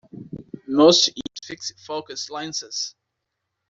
Most use fixed-focus lenses.